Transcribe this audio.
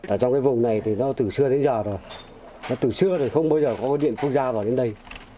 ở trong cái vùng này thì nó từ xưa đến giờ rồi nó từ xưa rồi không bao giờ có điện quốc gia vào đến đây